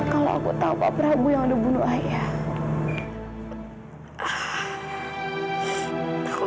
kalau aku tau pak prabu yang udah bunuh ayahku